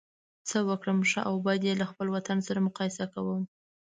څه وګورم ښه او بد یې له خپل وطن سره مقایسه کوم.